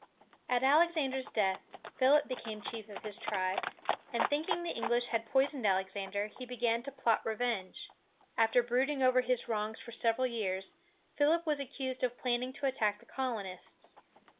At Alexander's death, Philip became chief of his tribe; and thinking the English had poisoned Alexander, he began to plot revenge. After brooding over his wrongs for several years, Philip was accused of planning to attack the colonists.